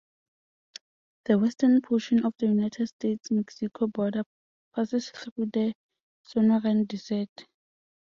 The western portion of the United States-Mexico border passes through the Sonoran Desert.